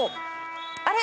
あれ？